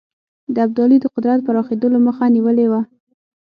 د ابدالي د قدرت پراخېدلو مخه نیولې وه.